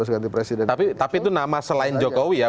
ganti presiden tapi itu nama selain jokowi ya